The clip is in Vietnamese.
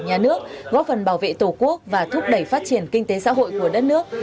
nhà nước góp phần bảo vệ tổ quốc và thúc đẩy phát triển kinh tế xã hội của đất nước